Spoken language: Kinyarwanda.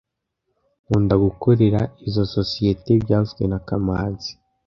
Nkunda gukorera izoi sosizoete byavuzwe na kamanzi